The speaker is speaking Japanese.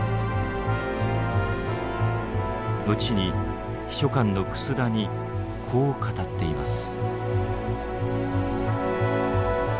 後に秘書官の楠田にこう語っています。